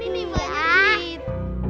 ini mah dikit